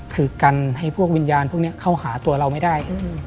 คือกันให้พวกวิญญาณพวกนี้เข้าหาตัวเราไม่ได้